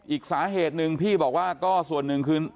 อีกสาเหตุหนึ่งพี่บอกว่าก็ส่วนหนึ่งคือ